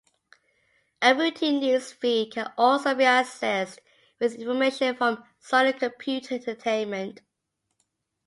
A routine news feed can also be accessed with information from Sony Computer Entertainment.